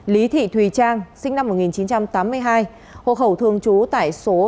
lý thị thùy trang sinh năm một nghìn chín trăm tám mươi hai hồ khẩu thường trú tại số tám mươi tám